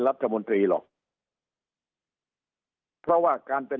สุดท้ายก็ต้านไม่อยู่